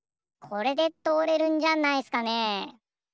これでとおれるんじゃないっすかね。